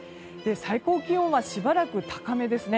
最高気温はしばらく高めですね。